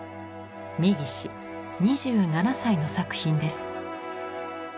三岸２７歳の作品です。